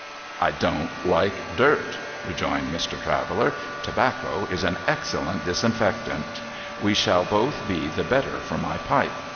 ' I don't like dirt,' rejoined Mr. Traveller ;' tobacco is an excellent disinfectant. We shall both be the better for my pipe.